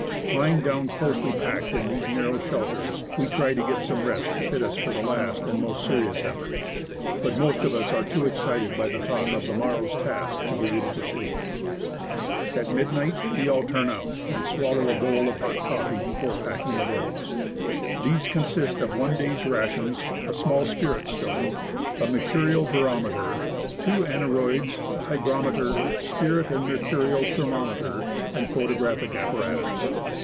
Lying down closely packed in these narrow shelters, we try to get some rest to fit us for the last and most serious effort ; but most of us are too excited by the thought of the morrow's task to be able to sleep. 150 N'.X.E. RIDGE OF MOUNT ST. ELIAS, I'ROM RUSSELL COL. THE ASCENT OF MOUNT ST. ELIAS At midnight we all turn out, and swallow a bowl of hot coffee before packing the loads. These consist of one day's rations, a small spirit stove, a mercurial barometer, two aneroids, a hygrometer, spirit and mercurial thermometer, and photographic apparatus.